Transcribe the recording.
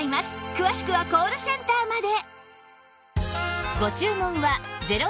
詳しくはコールセンターまで